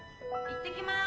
いってきます。